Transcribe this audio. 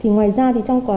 ngoài ra trong quà